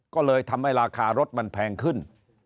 ก็เลยทำให้ราคารถมันแพงขึ้น